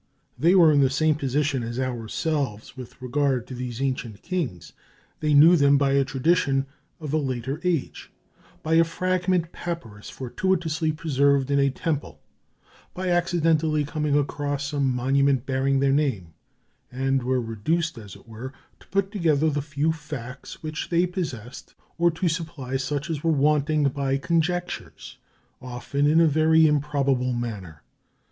They were in the same position as ourselves with regard to these ancient kings: they knew them by a tradition of a later age, by a fragment papyrus fortuitously preserved in a temple, by accidentally coming across some monument bearing their name, and were reduced, as it were, to put together the few facts which they possessed, or to supply such as were wanting by conjectures, often in a very improbable manner.